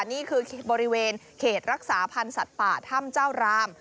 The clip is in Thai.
นี่คือบริเวณเขตรักษาพันธ์สัตว์ป่าถ้ำเจ้าราม